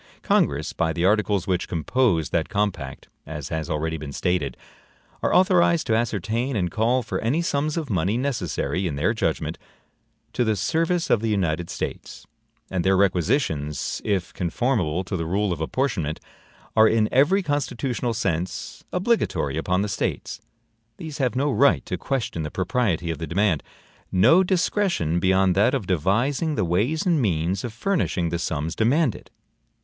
Congress, by the articles which compose that compact (as has already been stated), are authorized to ascertain and call for any sums of money necessary, in their judgment, to the service of the United States; and their requisitions, if conformable to the rule of apportionment, are in every constitutional sense obligatory upon the States. These have no right to question the propriety of the demand; no discretion beyond that of devising the ways and means of furnishing the sums demanded.